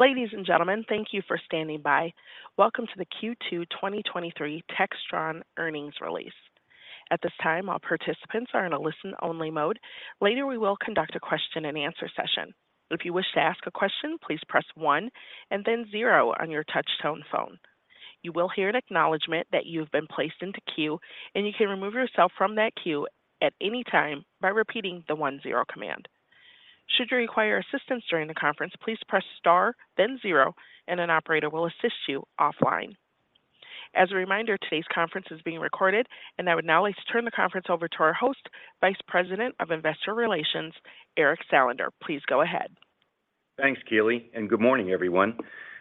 Ladies and gentlemen, thank you for standing by. Welcome to the Q2 2023 Textron Earnings Release. At this time, all participants are in a listen-only mode. Later, we will conduct a question-and-answer session. If you wish to ask a question, please press one and then zero on your touchtone phone. You will hear an acknowledgment that you've been placed into queue, and you can remove yourself from that queue at any time by repeating the one-zero command. Should you require assistance during the conference, please press star, then zero, and an operator will assist you offline. As a reminder, today's conference is being recorded, and I would now like to turn the conference over to our host, Vice President of Investor Relations, Eric Salander. Please go ahead. Thanks, Kelly. Good morning, everyone.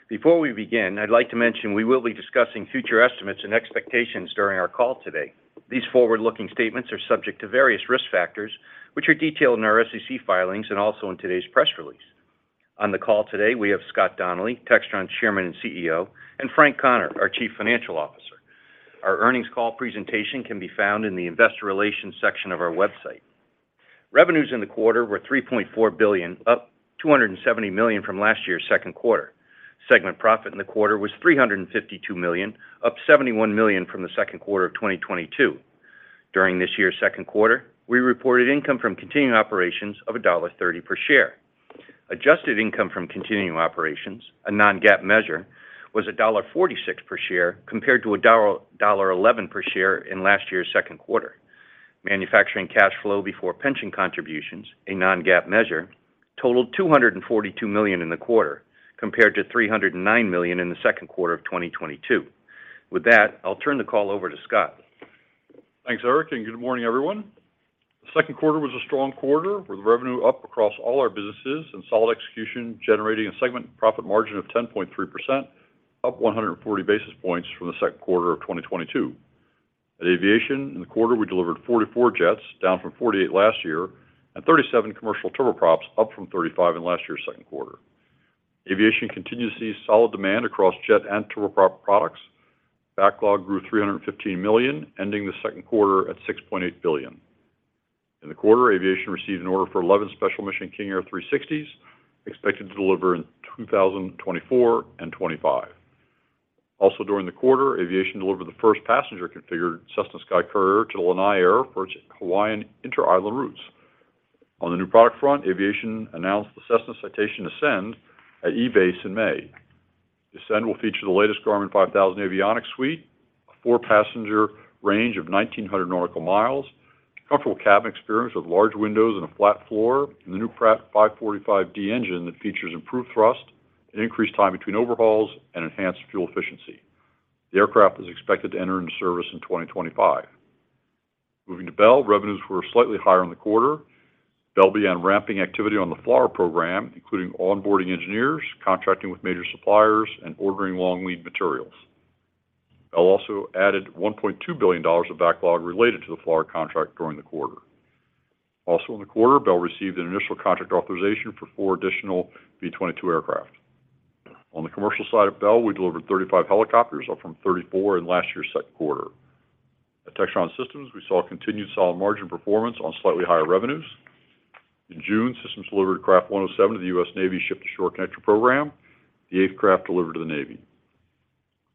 Before we begin, I'd like to mention we will be discussing future estimates and expectations during our call today. These forward-looking statements are subject to various risk factors, which are detailed in our SEC filings and also in today's press release. On the call today, we have Scott Donnelly, Textron's Chairman and CEO, and Frank Connor, our Chief Financial Officer. Our earnings call presentation can be found in the Investor Relations section of our website. Revenues in the quarter were $3.4 billion, up $270 million from last year's second quarter. Segment profit in the quarter was $352 million, up $71 million from the second quarter of 2022. During this year's second quarter, we reported income from continuing operations of $1.30 per share. Adjusted income from continuing operations, a non-GAAP measure, was $1.46 per share, compared to $1.11 per share in last year's second quarter. Manufacturing cash flow before pension contributions, a non-GAAP measure, totaled $242 million in the quarter, compared to $309 million in the second quarter of 2022. With that, I'll turn the call over to Scott. Thanks, Eric. Good morning, everyone. Second quarter was a strong quarter, with revenue up across all our businesses and solid execution, generating a segment profit margin of 10.3%, up 140 basis points from the second quarter of 2022. At Aviation, in the quarter, we delivered 44 jets, down from 48 last year, and 37 commercial turboprops, up from 35 in last year's second quarter. Aviation continues to see solid demand across jet and turboprop products. Backlog grew $315 million, ending the second quarter at $6.8 billion. In the quarter, Aviation received an order for 11 Special Mission King Air 360s, expected to deliver in 2024 and 2025. During the quarter, Aviation delivered the first passenger-configured Cessna SkyCourier to Lanai Air for its Hawaiian inter-island routes. On the new product front, Aviation announced the Cessna Citation Ascend at EBACE in May. Ascend will feature the latest Garmin G5000 avionics suite, a 4-passenger range of 1,900 nautical miles, comfortable cabin experience with large windows and a flat floor, and the new Pratt 545D engine that features improved thrust and increased time between overhauls and enhanced fuel efficiency. The aircraft is expected to enter into service in 2025. Moving to Bell, revenues were slightly higher in the quarter. Bell began ramping activity on the FLRAA program, including onboarding engineers, contracting with major suppliers, and ordering long-lead materials. Bell also added $1.2 billion of backlog related to the FLRAA contract during the quarter. Also in the quarter, Bell received an initial contract authorization for 4 additional V-22 aircraft. On the commercial side of Bell, we delivered 35 helicopters, up from 34 in last year's second quarter. At Textron Systems, we saw continued solid margin performance on slightly higher revenues. In June, Systems delivered Craft 107 to the U.S. Navy Ship-to-Shore Connector program, the eighth craft delivered to the Navy.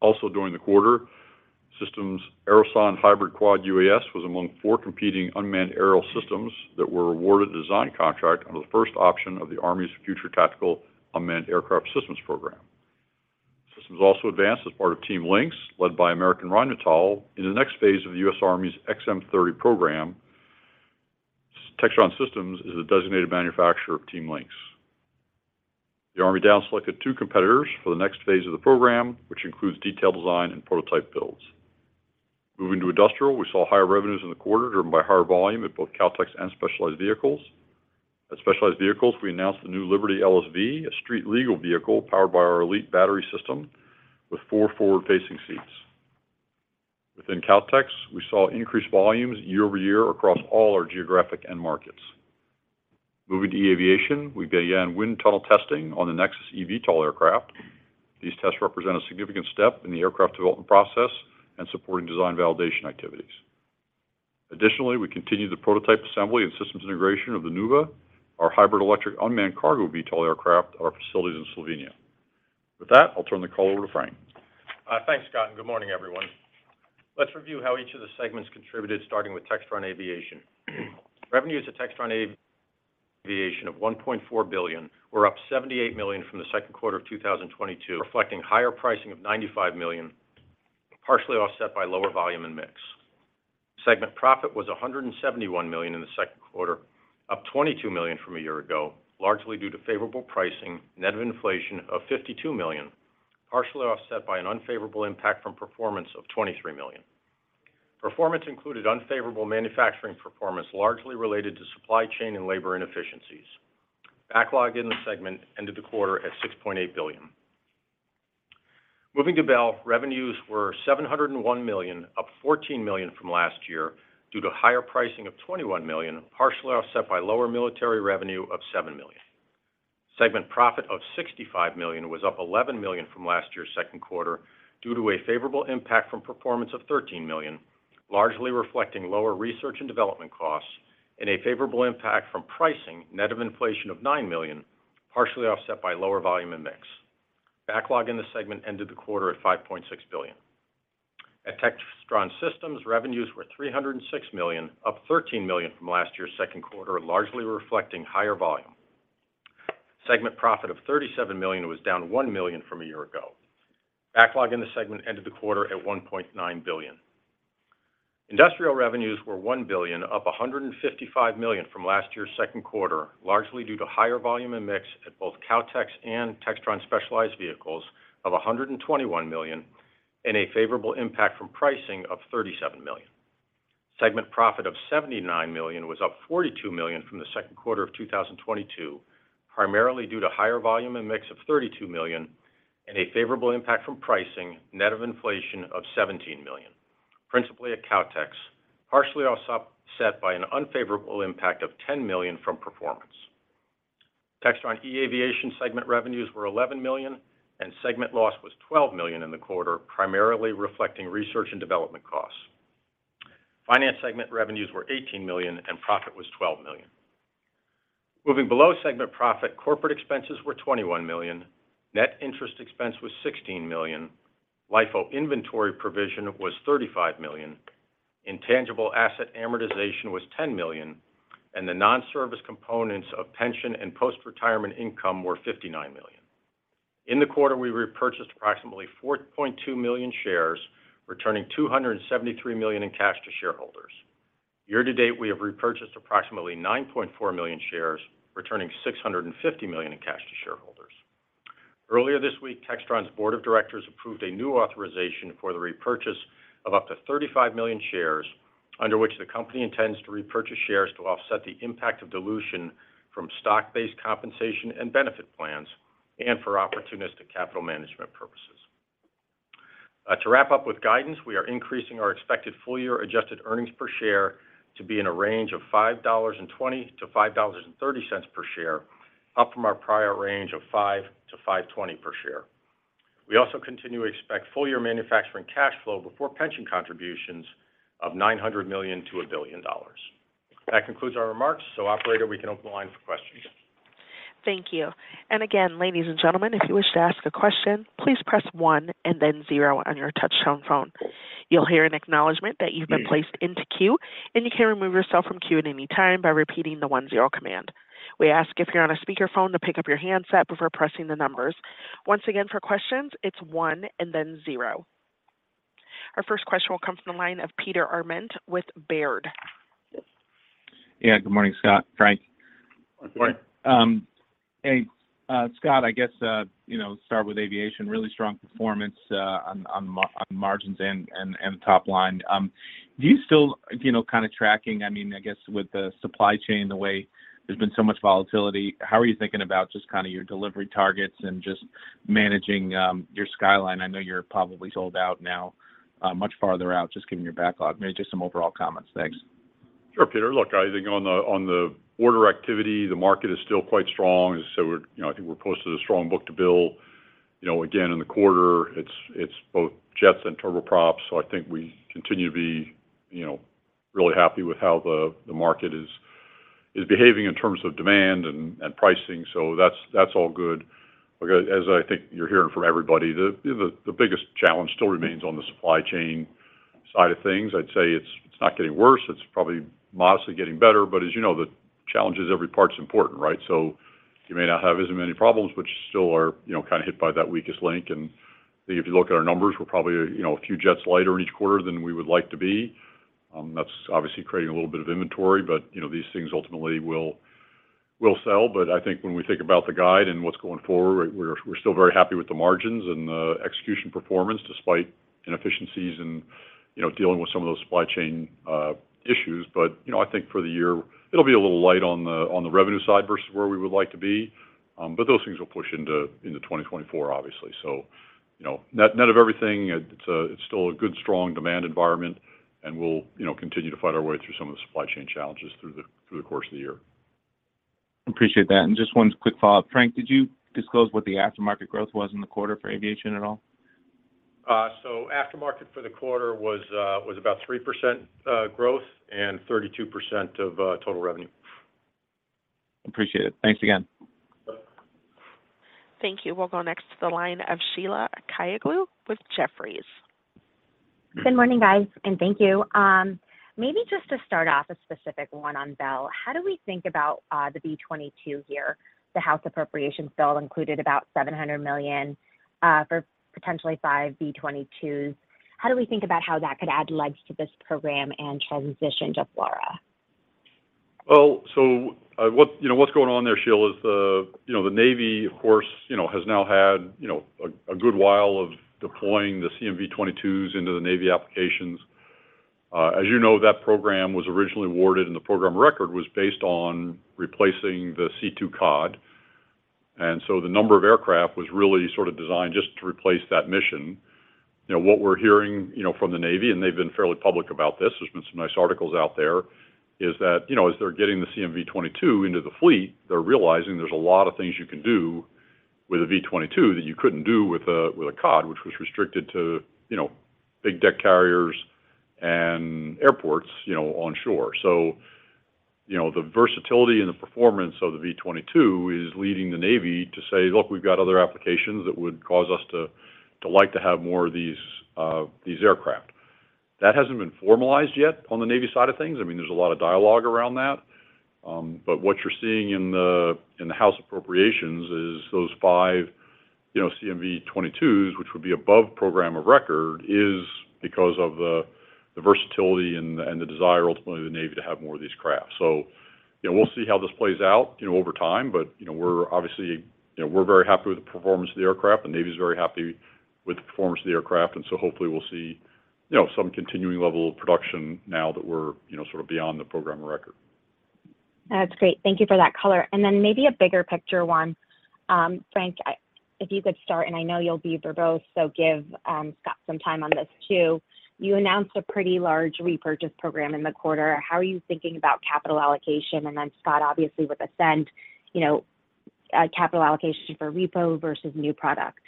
Also, during the quarter, Systems' Aerosonde hybrid quad UAS was among four competing unmanned aerial systems that were awarded a design contract under the first option of the U.S. Army's Future Tactical Unmanned Aircraft System program. Systems also advanced as part of Team Lynx, led by American Rheinmetall Vehicles. In the next phase of the U.S. Army's XM30 program, Textron Systems is the designated manufacturer of Team Lynx. The Army downselected two competitors for the next phase of the program, which includes detailed design and prototype builds. Moving to Industrial, we saw higher revenues in the quarter, driven by higher volume at both Kautex and Specialized Vehicles. At Specialized Vehicles, we announced the new Liberty LSV, a street-legal vehicle powered by our ELiTE battery system with four forward-facing seats. Within Kautex, we saw increased volumes year-over-year across all our geographic end markets. Moving to eAviation, we began wind tunnel testing on the Nexus eVTOL aircraft. These tests represent a significant step in the aircraft development process and supporting design validation activities. Additionally, we continued the prototype assembly and systems integration of the Nuuva, our hybrid electric unmanned cargo eVTOL aircraft, at our facilities in Slovenia. With that, I'll turn the call over to Frank. Thanks, Scott, good morning, everyone. Let's review how each of the segments contributed, starting with Textron Aviation. Revenues to Textron Aviation of $1.4 billion were up $78 million from the second quarter of 2022, reflecting higher pricing of $95 million, partially offset by lower volume and mix. Segment profit was $171 million in the second quarter, up $22 million from a year ago, largely due to favorable pricing, net of inflation of $52 million, partially offset by an unfavorable impact from performance of $23 million. Performance included unfavorable manufacturing performance, largely related to supply chain and labor inefficiencies. Backlog in the segment ended the quarter at $6.8 billion. Moving to Bell, revenues were $701 million, up $14 million from last year, due to higher pricing of $21 million, partially offset by lower military revenue of $7 million. Segment profit of $65 million was up $11 million from last year's second quarter due to a favorable impact from performance of $13 million.... largely reflecting lower research and development costs and a favorable impact from pricing, net of inflation of $9 million, partially offset by lower volume and mix. Backlog in the segment ended the quarter at $5.6 billion. At Textron Systems, revenues were $306 million, up $13 million from last year's second quarter, largely reflecting higher volume. Segment profit of $37 million was down $1 million from a year ago. Backlog in the segment ended the quarter at $1.9 billion. Industrial revenues were $1 billion, up $155 million from last year's second quarter, largely due to higher volume and mix at both Kautex and Textron Specialized Vehicles of $121 million, and a favorable impact from pricing of $37 million. Segment profit of $79 million was up $42 million from the second quarter of 2022, primarily due to higher volume and mix of $32 million, and a favorable impact from pricing, net of inflation of $17 million, principally at Kautex, partially offset by an unfavorable impact of $10 million from performance. Textron eAviation segment revenues were $11 million, and segment loss was $12 million in the quarter, primarily reflecting research and development costs. Finance segment revenues were $18 million, and profit was $12 million. Moving below segment profit, corporate expenses were $21 million, net interest expense was $16 million, LIFO inventory provision was $35 million, intangible asset amortization was $10 million, and the non-service components of pension and post-retirement income were $59 million. In the quarter, we repurchased approximately 4.2 million shares, returning $273 million in cash to shareholders. Year to date, we have repurchased approximately 9.4 million shares, returning $650 million in cash to shareholders. Earlier this week, Textron's board of directors approved a new authorization for the repurchase of up to 35 million shares, under which the company intends to repurchase shares to offset the impact of dilution from stock-based compensation and benefit plans, and for opportunistic capital management purposes. To wrap up with guidance, we are increasing our expected full-year adjusted earnings per share to be in a range of $5.20-$5.30 per share, up from our prior range of $5.00-$5.20 per share. We also continue to expect full-year manufacturing cash flow before pension contributions of $9 million-$1 billion. That concludes our remarks, so operator, we can open the line for questions. Thank you. Again, ladies and gentlemen, if you wish to ask a question, please press one and then zero on your touch-tone phone. You'll hear an acknowledgment that you've been placed into queue. You can remove yourself from queue at any time by repeating the one zero command. We ask if you're on a speakerphone, to pick up your handset before pressing the numbers. Once again, for questions, it's one and then zero. Our first question will come from the line of Peter Arment with Baird. Yeah, good morning, Scott, Frank. Good morning. Scott, I guess, you know, start with Aviation. Really strong performance on margins and top line. Do you still, you know, kind of tracking, I mean, I guess with the supply chain, the way there's been so much volatility, how are you thinking about just kind of your delivery targets and just managing your skyline? I know you're probably sold out now, much farther out, just given your backlog. Maybe just some overall comments. Thanks. Sure, Peter. Look, I think on the, on the order activity, the market is still quite strong. We're, you know, I think we're posted a strong book-to-bill. You know, again, in the quarter, it's, it's both jets and turboprops, so I think we continue to be, you know, really happy with how the, the market is, is behaving in terms of demand and, and pricing. That's, that's all good. As I think you're hearing from everybody, the, the, the biggest challenge still remains on the supply chain side of things. I'd say it's, it's not getting worse. It's probably modestly getting better, but as you know, the challenge is every part's important, right? You may not have as many problems, which still are, you know, kind of hit by that weakest link. If you look at our numbers, we're probably, you know, a few jets lighter in each quarter than we would like to be. That's obviously creating a little bit of inventory, but, you know, these things ultimately will sell. I think when we think about the guide and what's going forward, we're still very happy with the margins and the execution performance, despite inefficiencies and, you know, dealing with some of those supply chain issues. You know, I think for the year, it'll be a little light on the revenue side versus where we would like to be, but those things will push into 2024, obviously. You know, net, net of everything, it's a, it's still a good, strong demand environment, and we'll, you know, continue to fight our way through some of the supply chain challenges through the, through the course of the year. Appreciate that. Just one quick follow-up. Frank, did you disclose what the aftermarket growth was in the quarter for Aviation at all? Aftermarket for the quarter was about 3% growth and 32% of total revenue. Appreciate it. Thanks again. Yep. Thank you. We'll go next to the line of Sheila Kahyaoglu with Jefferies. Good morning, guys, and thank you. Maybe just to start off, a specific one on Bell. How do we think about the V-22 year? The House Appropriations Bill included about $700 million for potentially 5 V-22s. How do we think about how that could add legs to this program and transition to FLRAA? Well, you know, what's going on there, Sheila, is the, you know, the Navy, of course, you know, has now had, you know, a, a good while of deploying the CMV-22s into the Navy applications. As you know, that program was originally awarded, and the program of record was based on replacing the C-2 COD. The number of aircraft was really sort of designed just to replace that mission. You know, what we're hearing, you know, from the Navy, and they've been fairly public about this, there's been some nice articles out there, is that, you know, as they're getting the CMV-22 into the fleet, they're realizing there's a lot of things you can do.... with a V-22 that you couldn't do with a, with a COD, which was restricted to, you know, big deck carriers and airports, you know, onshore. You know, the versatility and the performance of the V-22 is leading the Navy to say, "Look, we've got other applications that would cause us to, to like to have more of these aircraft." That hasn't been formalized yet on the Navy side of things. I mean, there's a lot of dialogue around that. What you're seeing in the, in the House Appropriations is those five, you know, CMV-22s, which would be above program of record, is because of the, the versatility and the, and the desire, ultimately, of the Navy to have more of these crafts. You know, we'll see how this plays out, you know, over time, but, you know, we're obviously, you know, we're very happy with the performance of the aircraft, the U.S. Navy is very happy with the performance of the aircraft, and so hopefully we'll see, you know, some continuing level of production now that we're, you know, sort of beyond the program of record. That's great. Thank you for that color. Maybe a bigger picture one. Frank, if you could start, and I know you'll be verbose, so give Scott some time on this, too. You announced a pretty large repurchase program in the quarter. How are you thinking about capital allocation? Scott, obviously, with Ascend, you know, capital allocation for repo versus new product.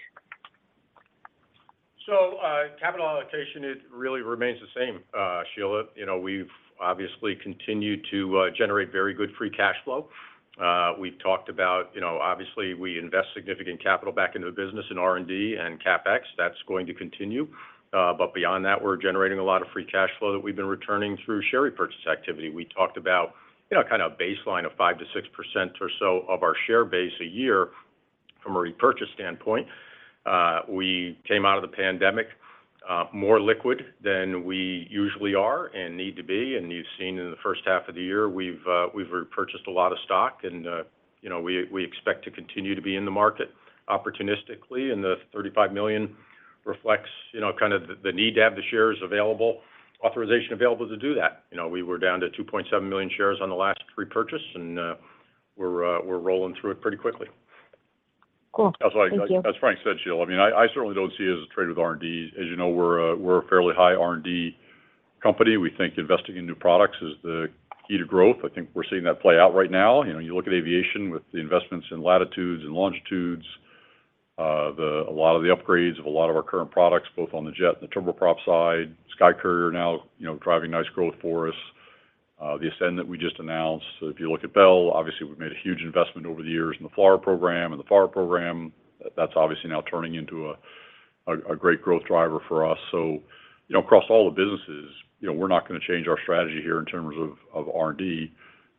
Capital allocation, it really remains the same, Sheila. You know, we've obviously continued to generate very good free cash flow. We've talked about, you know, obviously, we invest significant capital back into the business in R&D and CapEx. That's going to continue. Beyond that, we're generating a lot of free cash flow that we've been returning through share repurchase activity. We talked about, you know, kind of baseline of 5%-6% or so of our share base a year from a repurchase standpoint. We came out of the pandemic, more liquid than we usually are and need to be. You've seen in the first half of the year, we've repurchased a lot of stock, and, you know, we expect to continue to be in the market opportunistically. The $35 million reflects, you know, kind of the need to have the shares authorization available to do that. You know, we were down to 2.7 million shares on the last repurchase, and we're rolling through it pretty quickly. Cool. Thank you. As Frank said, Sheila, I mean, I certainly don't see it as a trade with R&D. As you know, we're a, we're a fairly high R&D company. We think investing in new products is the key to growth. I think we're seeing that play out right now. You know, you look at Aviation with the investments in Latitudes and Longitudes, a lot of the upgrades of a lot of our current products, both on the jet and the turboprop side. SkyCourier now, you know, driving nice growth for us. The Ascend that we just announced. If you look at Bell, obviously, we've made a huge investment over the years in the FLRAA program and the FARA program. That's obviously now turning into a great growth driver for us. You know, across all the businesses, you know, we're not gonna change our strategy here in terms of, of R&D.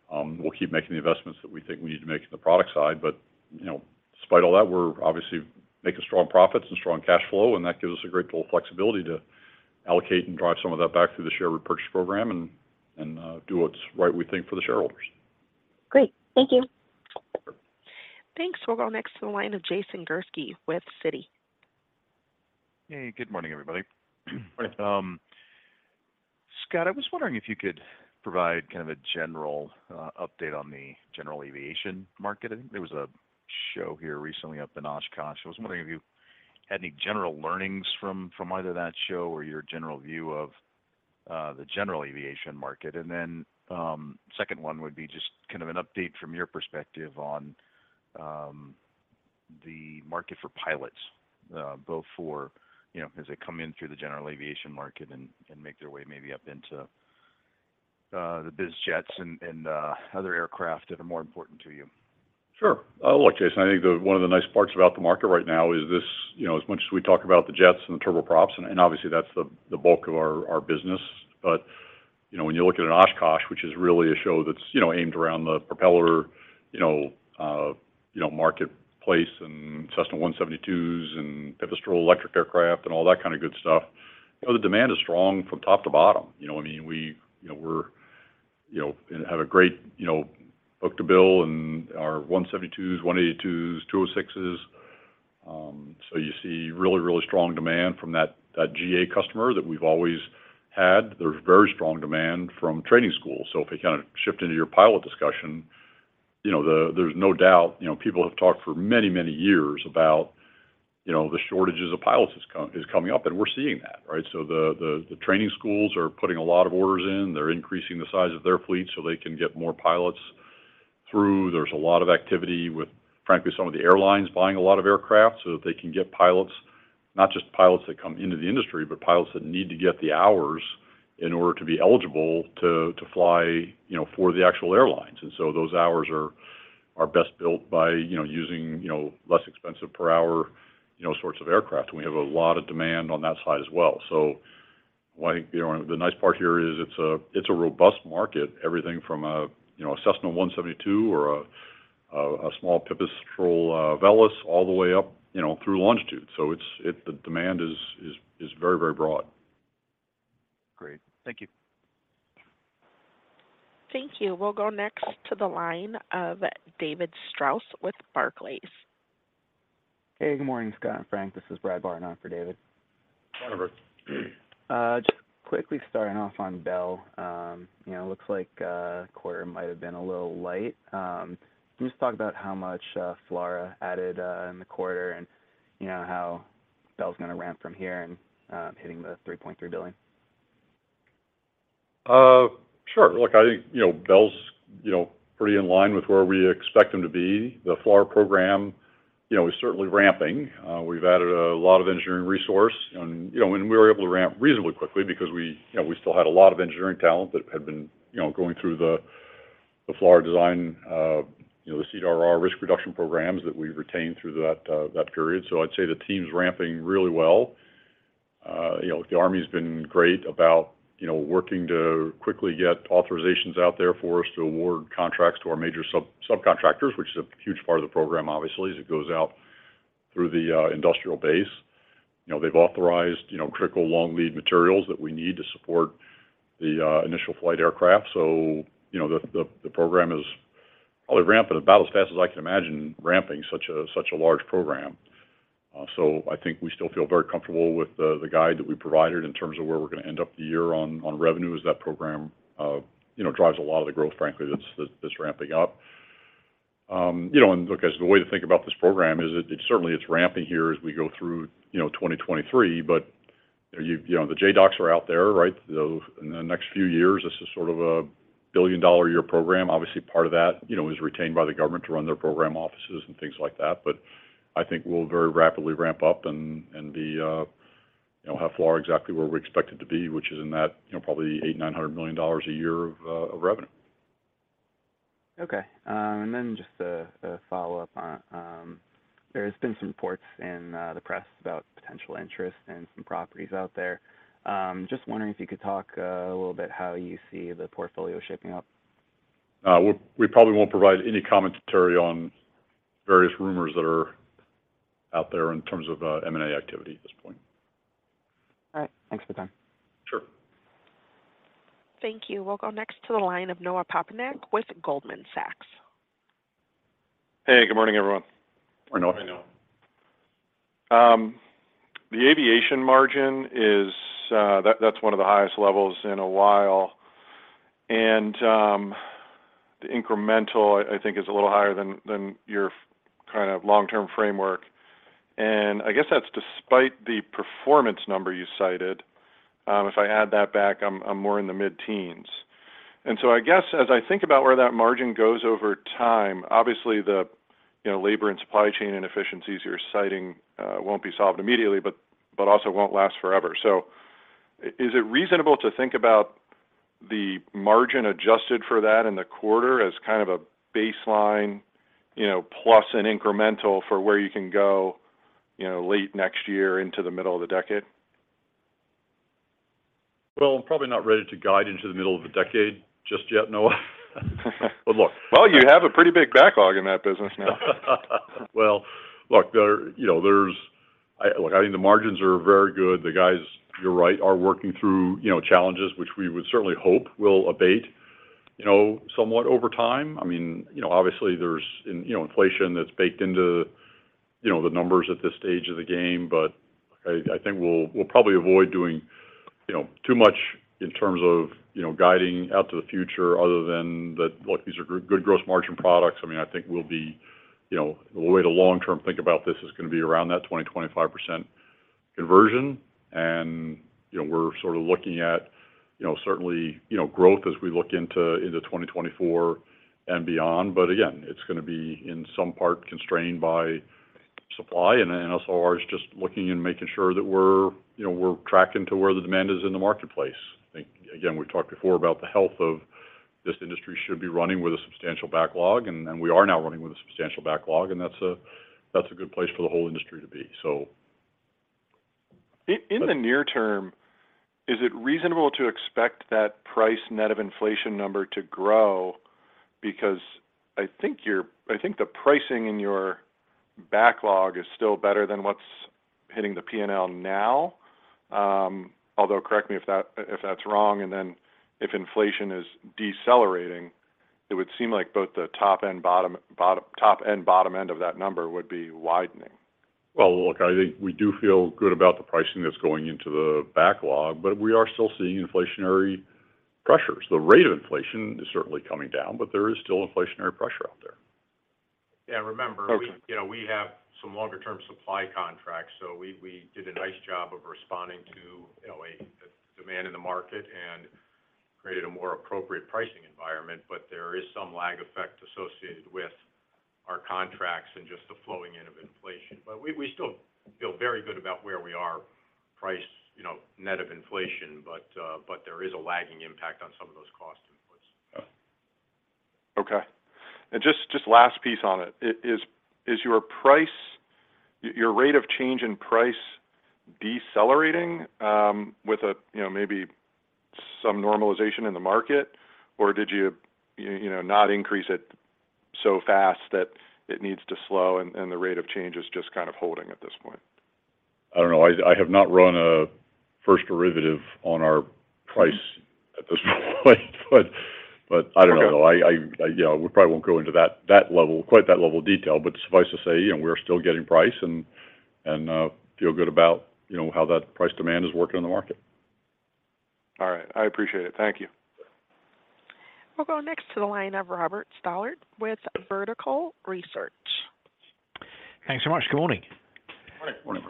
We'll keep making the investments that we think we need to make in the product side, but, you know, despite all that, we're obviously making strong profits and strong cash flow, and that gives us a great deal of flexibility to allocate and drive some of that back through the share repurchase program and do what's right, we think, for the shareholders. Great. Thank you. Thanks. We'll go next to the line of Jason Gursky with Citi. Hey, good morning, everybody. Good morning. Scott, I was wondering if you could provide kind of a general update on the general Aviation market. I think there was a show here recently up in Oshkosh. I was wondering if you had any general learnings from either that show or your general view of the general Aviation market. Second one would be just kind of an update from your perspective on the market for pilots, both for, you know, as they come in through the general Aviation market and make their way maybe up into the biz jets and other aircraft that are more important to you. Sure. Look, Jason, I think one of the nice parts about the market right now is this, you know, as much as we talk about the jets and the turboprops, and, and obviously that's the, the bulk of our, our business, but, you know, when you look at an Oshkosh, which is really a show that's, you know, aimed around the propeller, you know, marketplace, and Cessna 172s, and Pipistrel electric aircraft, and all that kind of good stuff, you know, the demand is strong from top to bottom. You know, I mean, we, you know, we're, you know, and have a great, you know, book-to-bill in our 172s, 182s, 206s. So you see really, really strong demand from that, that GA customer that we've always had. There's very strong demand from training schools. If we kind of shift into your pilot discussion, you know, there's no doubt, you know, people have talked for many, many years about, you know, the shortages of pilots is coming up, and we're seeing that, right? The training schools are putting a lot of orders in. They're increasing the size of their fleet so they can get more pilots through. There's a lot of activity with, frankly, some of the airlines buying a lot of aircraft so that they can get pilots, not just pilots that come into the industry, but pilots that need to get the hours in order to be eligible to fly, you know, for the actual airlines. Those hours are best built by, you know, using, you know, less expensive per hour, you know, sorts of aircraft. We have a lot of demand on that side as well. I think, you know, the nice part here is it's a, it's a robust market. Everything from a, you know, a Cessna 172 or a, a, a small Pipistrel Velis, all the way up, you know, through Longitude. The demand is very, very broad. Great. Thank you. Thank you. We'll go next to the line of David Strauss with Barclays. Hey, good morning, Scott and Frank. This is Bradley Barton for David. Hi, Brad. Just quickly starting off on Bell. You know, it looks like quarter might have been a little light. Can you just talk about how much FLRAA added in the quarter, and, you know, how Bell's gonna ramp from here and hitting the $3.3 billion? sure. Look, I think, you know, Bell's, you know, pretty in line with where we expect them to be. The FLRAA program, you know, is certainly ramping. We've added a lot of engineering resource and, you know, and we were able to ramp reasonably quickly because we, you know, we still had a lot of engineering talent that had been, you know, going through the FLRAA design, you know, the CRR risk reduction programs that we retained through that period. I'd say the team's ramping really well. You know, the Army's been great about, you know, working to quickly get authorizations out there for us to award contracts to our major sub- subcontractors, which is a huge part of the program, obviously, as it goes out through the industrial base. You know, they've authorized, you know, critical long lead materials that we need to support the initial flight aircraft. You know, the, the, the program is probably ramping about as fast as I can imagine ramping such a large program. I think we still feel very comfortable with the, the guide that we provided in terms of where we're gonna end up the year on, on revenue, as that program, you know, drives a lot of the growth, frankly, that's, that's ramping up. You know, and look, as the way to think about this program is it, it certainly it's ramping here as we go through, you know, 2023, but, you know, the JADOCS are out there, right? In the next few years, this is sort of a billion-dollar a year program. Obviously, part of that, you know, is retained by the government to run their program offices and things like that. I think we'll very rapidly ramp up and be, you know, have FLRAA exactly where we expect it to be, which is in that, you know, probably $800 million-$900 million a year of revenue. Okay. Just a, a follow-up on, there's been some reports in the press about potential interest in some properties out there. Just wondering if you could talk a little bit how you see the portfolio shaping up. we probably won't provide any commentary on various rumors that are out there in terms of M&A activity at this point. All right. Thanks for the time. Sure. Thank you. We'll go next to the line of Noah Poponak with Goldman Sachs. Hey, good morning, everyone. Hi, Noah. Hi, Noah. The Aviation margin is that's one of the highest levels in a while. The incremental, I think, is a little higher than your kind of long-term framework, and I guess that's despite the performance number you cited. If I add that back, I'm more in the mid-teens. I guess as I think about where that margin goes over time, obviously, the, you know, labor and supply chain inefficiencies you're citing, won't be solved immediately, but also won't last forever. Is it reasonable to think about the margin adjusted for that in the quarter as kind of a baseline, you know, plus an incremental for where you can go, you know, late next year into the middle of the decade? Well, I'm probably not ready to guide into the middle of the decade just yet, Noah. Look. Well, you have a pretty big backlog in that business now. Well, look, there, you know, look, I think the margins are very good. The guys, you're right, are working through, you know, challenges, which we would certainly hope will abate, you know, somewhat over time. I mean, you know, obviously, there's, you know, inflation that's baked into, you know, the numbers at this stage of the game. I, I think we'll, we'll probably avoid doing, you know, too much in terms of, you know, guiding out to the future other than that, look, these are good gross margin products. I mean, I think we'll be. You know, the way the long-term think about this is gonna be around that 20%-25% conversion. You know, we're sort of looking at, you know, certainly, you know, growth as we look into, into 2024 and beyond. Again, it's gonna be in some part constrained by supply, and also ours, just looking and making sure that we're, you know, we're tracking to where the demand is in the marketplace. Again, we've talked before about the health of this industry should be running with a substantial backlog, and then we are now running with a substantial backlog, and that's a, that's a good place for the whole industry to be. In the near term, is it reasonable to expect that price net of inflation number to grow? I think the pricing in your backlog is still better than what's hitting the P&L now. Although, correct me if that's wrong. Then if inflation is decelerating, it would seem like both the top end, bottom end of that number would be widening. Look, I think we do feel good about the pricing that's going into the backlog, but we are still seeing inflationary pressures. The rate of inflation is certainly coming down, but there is still inflationary pressure out there. Yeah, remember- Okay. we, you know, we have some longer-term supply contracts, so we, we did a nice job of responding to, you know, a, a demand in the market and created a more appropriate pricing environment. There is some lag effect associated with our contracts and just the flowing in of inflation. We, we still feel very good about where we are price, you know, net of inflation, but, but there is a lagging impact on some of those cost inputs. Yeah. Okay. Just last piece on it. Is your price, your rate of change in price decelerating, with a, you know, maybe some normalization in the market? Did you, you know, not increase it so fast that it needs to slow and the rate of change is just kind of holding at this point? I don't know. I have not run a first derivative on our price at this point, but I don't know. I, you know, we probably won't go into that level, quite that level of detail, but suffice to say, you know, we're still getting price and feel good about, you know, how that price demand is working in the market. All right. I appreciate it. Thank you. We'll go next to the line of Robert Stallard with Vertical Research. Thanks so much. Good morning. Hi, good morning.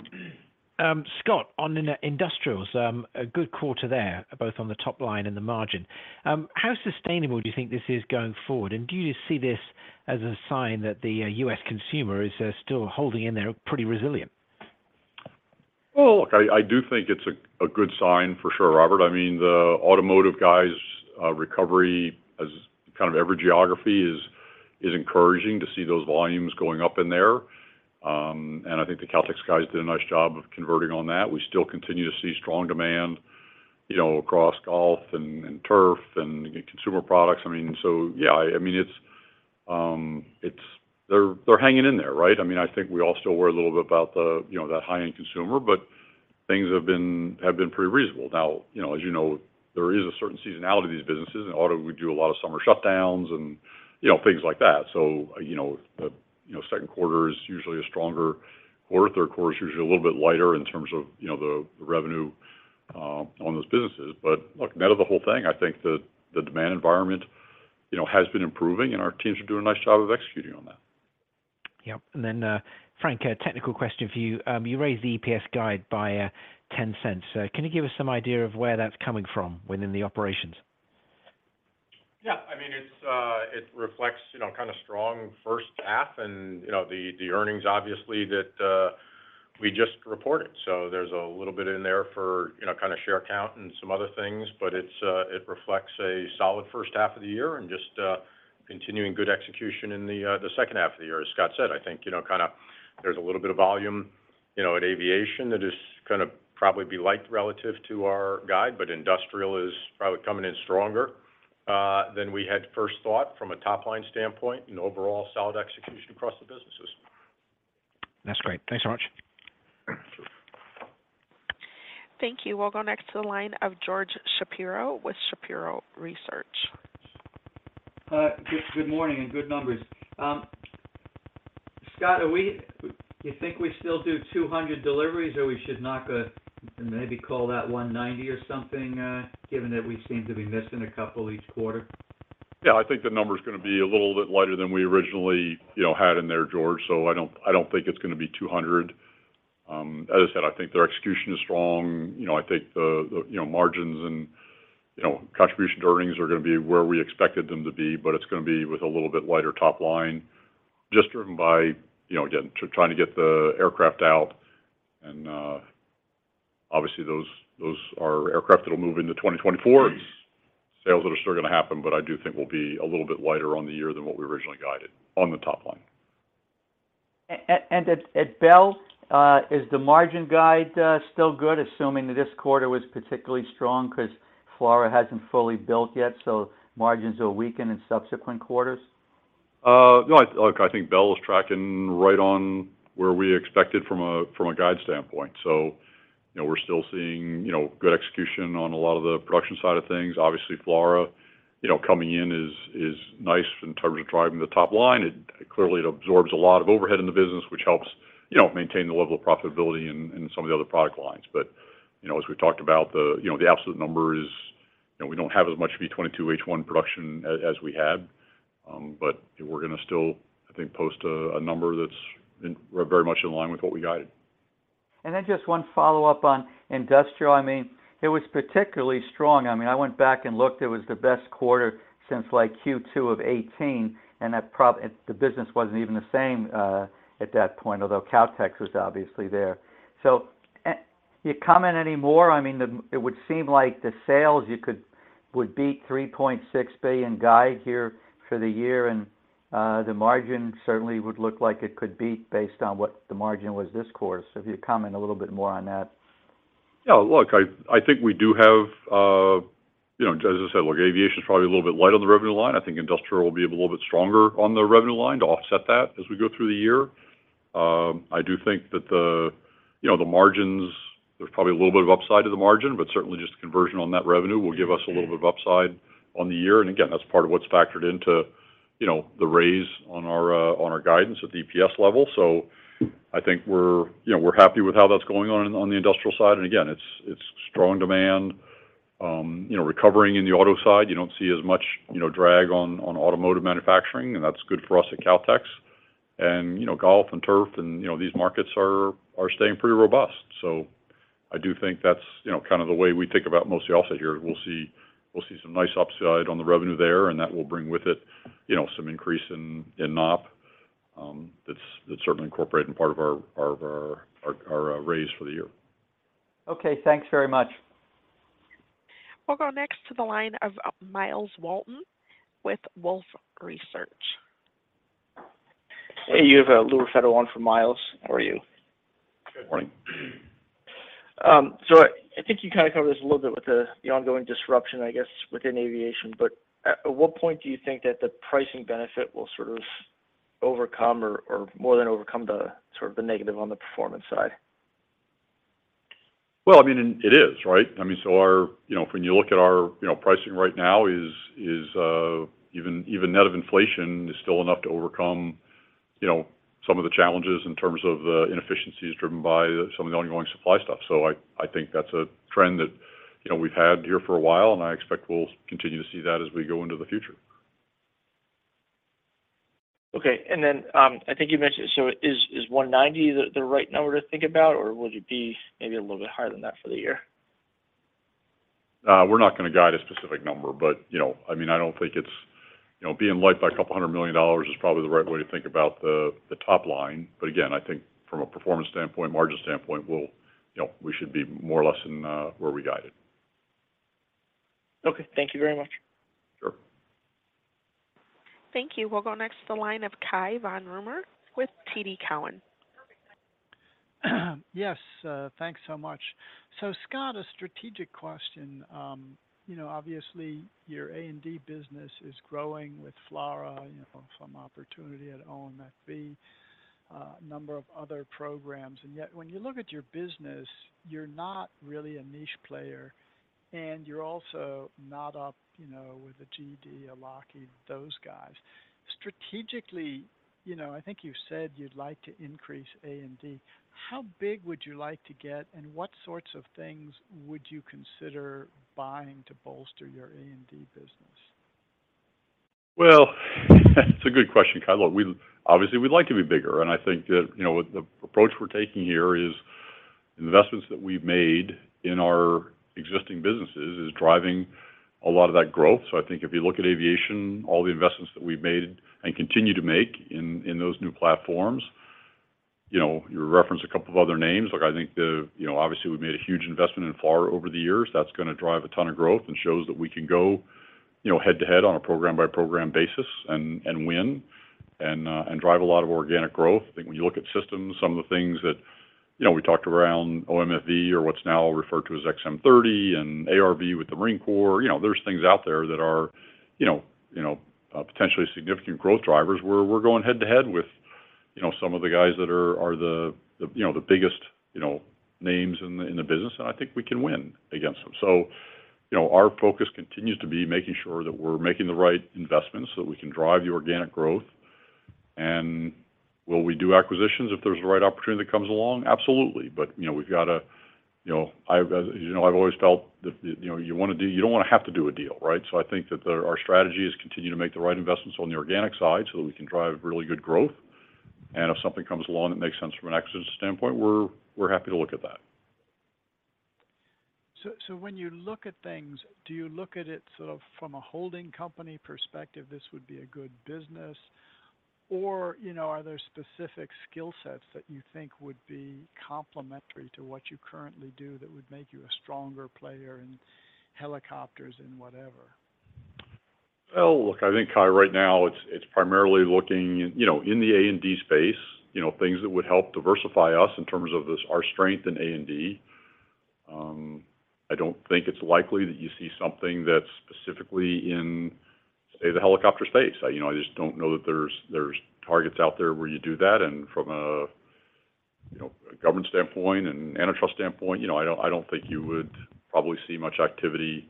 Scott, on in the industrials, a good quarter there, both on the top line and the margin. How sustainable do you think this is going forward? Do you just see this as a sign that the U.S. consumer is still holding in there, pretty resilient? Well, look, I, I do think it's a, a good sign for sure, Robert. I mean, the automotive guys, recovery as kind of every geography is, is encouraging to see those volumes going up in there. I think the Kautex guys did a nice job of converting on that. We still continue to see strong demand, you know, across golf and, and turf and consumer products. I mean, yeah, I mean, it's they're, they're hanging in there, right? I mean, I think we all still worry a little bit about the, you know, that high-end consumer, but things have been, have been pretty reasonable. You know, as you know, there is a certain seasonality to these businesses. In auto, we do a lot of summer shutdowns and, you know, things like that. You know, you know, second quarter is usually a stronger quarter. Third quarter is usually a little bit lighter in terms of, you know, the, the revenue on those businesses. Look, net of the whole thing, I think the, the demand environment, you know, has been improving, and our teams are doing a nice job of executing on that. Yep. Frank, a technical question for you. You raised the EPS guide by $0.10. Can you give us some idea of where that's coming from within the operations? I mean, it's, it reflects, you know, kind of strong first half and, you know, the earnings obviously that we just reported. There's a little bit in there for, you know, kind of share count and some other things, but it's, it reflects a solid first half of the year and just, continuing good execution in the second half of the year. As Scott said, I think, you know, kind of there's a little bit of volume, you know, at Aviation that is gonna probably be light relative to our guide, but Industrial is probably coming in stronger than we had first thought from a top-line standpoint and overall solid execution across the businesses. That's great. Thanks so much. Sure. Thank you. We'll go next to the line of George Shapiro with Shapiro Research. Good morning and good numbers. Scott, you think we still do 200 deliveries, or we should knock, maybe call that 190 or something, given that we seem to be missing a couple each quarter? Yeah, I think the number is gonna be a little bit lighter than we originally, you know, had in there, George. I don't, I don't think it's gonna be 200. As I said, I think their execution is strong. You know, I think the, you know, margins and, you know, contribution to earnings are gonna be where we expected them to be, but it's gonna be with a little bit lighter top line, just driven by, you know, again, trying to get the aircraft out. Obviously, those are aircraft that'll move into 2024. Sales that are still gonna happen, but I do think we'll be a little bit lighter on the year than what we originally guided on the top line. At Bell, is the margin guide still good, assuming that this quarter was particularly strong because FLRAA hasn't fully built yet, so margins will weaken in subsequent quarters? No, look, I think Bell is tracking right on where we expected from a, from a guide standpoint. You know, we're still seeing, you know, good execution on a lot of the production side of things. Obviously, FLRAA, you know, coming in is nice in terms of driving the top line. It, clearly, it absorbs a lot of overhead in the business, which helps, you know, maintain the level of profitability in some of the other product lines. You know, as we've talked about, the, you know, the absolute number is, you know, we don't have as much V-22 H-1 production as we had, but we're going to still, I think, post a number that's very much in line with what we guided. Just one follow-up on industrial. I mean, it was particularly strong. I mean, I went back and looked. It was the best quarter since, like, Q2 of 2018, and that the business wasn't even the same at that point, although Kautex was obviously there. You comment anymore, I mean, it would seem like the sales, you would beat $3.6 billion guide here for the year, and the margin certainly would look like it could beat based on what the margin was this quarter. If you'd comment a little bit more on that. Yeah, look, I think we do have, you know, as I said, look, Aviation is probably a little bit light on the revenue line. I think industrial will be a little bit stronger on the revenue line to offset that as we go through the year. I do think that the, you know, the margins, there's probably a little bit of upside to the margin, but certainly just conversion on that revenue will give us a little bit of upside on the year. Again, that's part of what's factored into, you know, the raise on our guidance at the EPS level. I think we're, you know, we're happy with how that's going on, on the industrial side. Again, it's strong demand, you know, recovering in the auto side. You don't see as much, you know, drag on automotive manufacturing, and that's good for us at Kautex. You know, golf and turf and, you know, these markets are staying pretty robust. I do think that's, you know, kind of the way we think about mostly offset here. We'll see some nice upside on the revenue there, and that will bring with it, you know, some increase in NOP, that's certainly incorporated in part of our raise for the year. Okay, thanks very much. We'll go next to the line of Myles Walton with Wolfe Research. Hey, you have a Louis Raffetto on for Myles. How are you? Good morning. I think you kind of covered this a little bit with the ongoing disruption, I guess, within Aviation, but at what point do you think that the pricing benefit will sort of overcome or more than overcome the sort of the negative on the performance side? Well, I mean, it is, right? I mean, our. You know, when you look at our, you know, pricing right now is, even net of inflation, is still enough to overcome. You know, some of the challenges in terms of the inefficiencies driven by some of the ongoing supply stuff. I think that's a trend that, you know, we've had here for a while, and I expect we'll continue to see that as we go into the future. I think you mentioned, is, is 190 the right number to think about, or will it be maybe a little bit higher than that for the year? we're not going to guide a specific number, but, you know, I mean, I don't think it's, you know, being light by a couple hundred million dollars is probably the right way to think about the top line. Again, I think from a performance standpoint, margin standpoint, we'll, you know, we should be more or less than, where we guided. Okay. Thank you very much. Sure. Thank you. We'll go next to the line of Cai von Rumohr with TD Cowen. Yes, thanks so much. Scott, a strategic question. You know, obviously, your A&D business is growing with FLRAA, you know, some opportunity at OMFV, a number of other programs, and yet when you look at your business, you're not really a niche player, and you're also not up, you know, with a GD, a Lockheed, those guys. Strategically, you know, I think you said you'd like to increase A&D. How big would you like to get, and what sorts of things would you consider buying to bolster your A&D business? Well, that's a good question, Cai von Rumohr. Well, obviously, we'd like to be bigger, and I think that, you know, the approach we're taking here is investments that we've made in our existing businesses is driving a lot of that growth. I think if you look at Aviation, all the investments that we've made and continue to make in those new platforms, you know, you referenced a couple of other names. Look, I think you know, obviously, we've made a huge investment in FLRAA over the years. That's gonna drive a ton of growth and shows that we can go, you know, head-to-head on a program-by-program basis and win and drive a lot of organic growth. I think when you look at systems, some of the things that, you know, we talked around OMFV or what's now referred to as XM30 and ARV with the Marine Corps, you know, there's things out there that are, you know, potentially significant growth drivers, where we're going head-to-head with, you know, some of the guys that are the, you know, the biggest, you know, names in the business, and I think we can win against them. You know, our focus continues to be making sure that we're making the right investments so that we can drive the organic growth. Will we do acquisitions if there's the right opportunity that comes along? Absolutely. You know, we've got to, you know, I've, as you know, I've always felt that, you know, you don't want to have to do a deal, right? I think that our strategy is continue to make the right investments on the organic side so that we can drive really good growth. If something comes along that makes sense from an exit standpoint, we're happy to look at that. When you look at things, do you look at it sort of from a holding company perspective, this would be a good business, or, you know, are there specific skill sets that you think would be complementary to what you currently do that would make you a stronger player in helicopters and whatever? Well, look, I think, Cai, right now it's primarily looking, you know, in the A&D space, you know, things that would help diversify us in terms of this, our strength in A&D. I don't think it's likely that you see something that's specifically in, say, the helicopter space. I, you know, I just don't know that there's targets out there where you do that, and from a, you know, a government standpoint and antitrust standpoint, you know, I don't, I don't think you would probably see much activity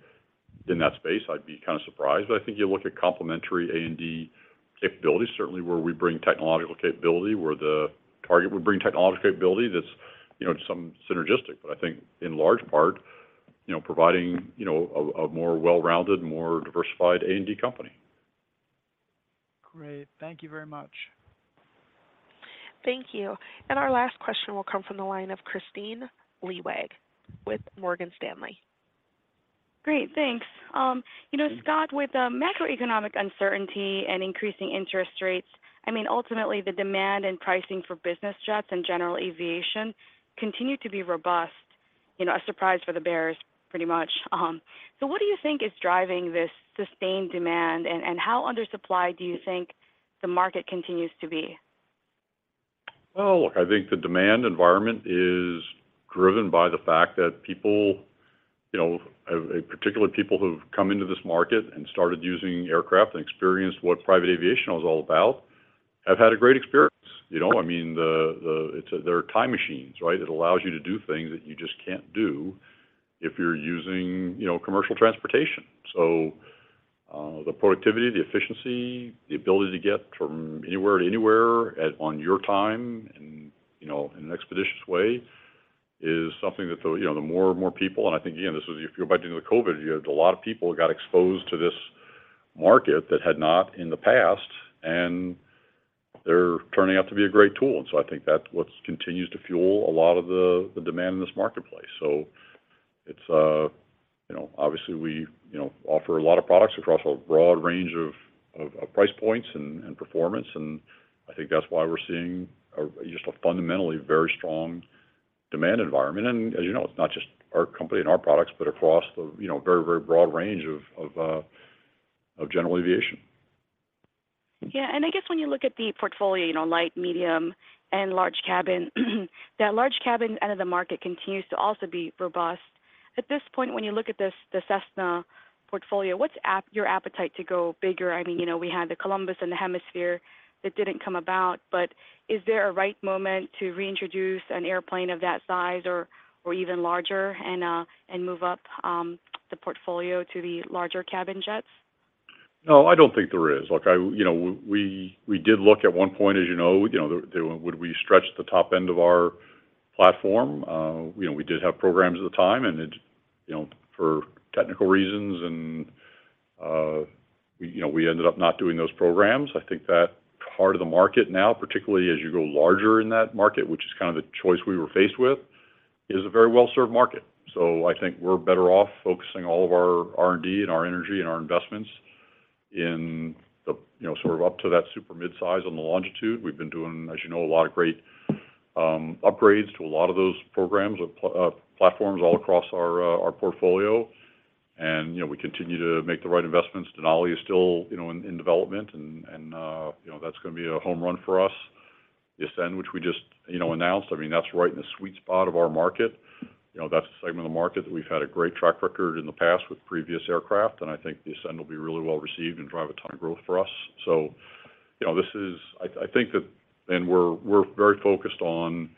in that space. I'd be kind of surprised, but I think you look at complementary A&D capabilities, certainly where we bring technological capability, where the target would bring technological capability, that's, you know, some synergistic, but I think in large part, you know, providing, you know, a more well-rounded, more diversified A&D company. Great. Thank you very much. Thank you. Our last question will come from the line of Kristine Liwag with Morgan Stanley. Great, thanks. You know, Scott, with the macroeconomic uncertainty and increasing interest rates, I mean, ultimately the demand and pricing for business jets and general Aviation continue to be robust, you know, a surprise for the bears, pretty much. What do you think is driving this sustained demand, and how under supplied do you think the market continues to be? Well, look, I think the demand environment is driven by the fact that people, you know, particularly people who've come into this market and started using aircraft and experienced what private Aviation was all about, have had a great experience. You know, I mean, they're time machines, right? It allows you to do things that you just can't do if you're using, you know, commercial transportation. The productivity, the efficiency, the ability to get from anywhere to anywhere on your time and, you know, in an expeditious way, is something that the, you know, the more and more people... I think, again, this is if you go back to the COVID, you had a lot of people got exposed to this market that had not in the past, and they're turning out to be a great tool. I think that's what continues to fuel a lot of the demand in this marketplace. It's, you know, obviously we, you know, offer a lot of products across a broad range of price points and performance, and I think that's why we're seeing just a fundamentally very strong demand environment. As you know, it's not just our company and our products, but across the, you know, very broad range of general Aviation. Yeah, I guess when you look at the portfolio, you know, light, medium, and large cabin, that large cabin end of the market continues to also be robust. At this point, when you look at this, the Cessna portfolio, what's your appetite to go bigger? I mean, you know, we had the Columbus and the Hemisphere that didn't come about, but. Is there a right moment to reintroduce an airplane of that size or even larger, and move up the portfolio to the larger cabin jets? No, I don't think there is. Look, I, you know, we did look at one point, as you know, you know, would we stretch the top end of our platform? You know, we did have programs at the time, and it, you know, for technical reasons and, we, you know, we ended up not doing those programs. I think that part of the market now, particularly as you go larger in that market, which is kind of the choice we were faced with, is a very well-served market. I think we're better off focusing all of our R&D and our energy and our investments in the, you know, sort of up to that super mid-size on the Longitude. We've been doing, as you know, a lot of great upgrades to a lot of those programs of platforms all across our portfolio. You know, we continue to make the right investments. Denali is still, you know, in development. You know, that's going to be a home run for us. The Ascend, which we just, you know, announced, I mean, that's right in the sweet spot of our market. You know, that's a segment of the market that we've had a great track record in the past with previous aircraft. I think the Ascend will be really well received and drive a ton of growth for us. You know, this is. I think that, and we're very focused on,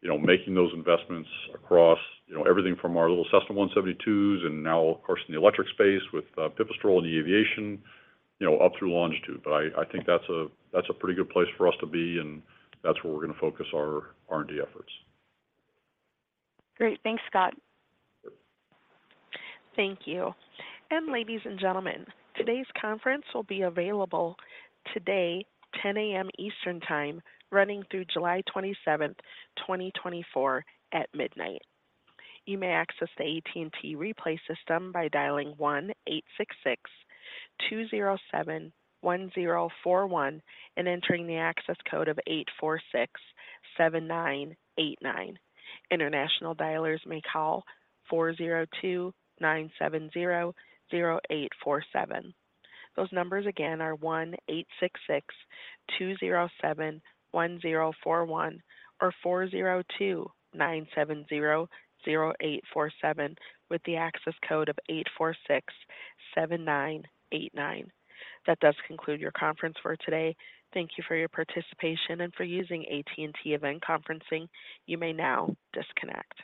you know, making those investments across, you know, everything from our little Cessna 172s, and now, of course, in the electric space with Pipistrel and eAviation, you know, up through Longitude. I think that's a pretty good place for us to be, and that's where we're going to focus our R&D efforts. Great. Thanks, Scott. Thank you. Ladies and gentlemen, today's conference will be available today, 10:00 A.M. Eastern Time, running through July 27, 2024 at midnight. You may access the AT&T replay system by dialing 1-866-207-1041 and entering the access code of 8467989. International dialers may call 402-970-0847. Those numbers again are 1-866-207-1041 or 402-970-0847, with the access code of 8467989. That does conclude your conference for today. Thank you for your participation and for using AT&T event conferencing. You may now disconnect.